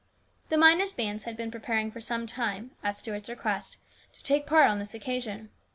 The miners' bands had been preparing for some time, at Stuart's request, to take part on this occasion.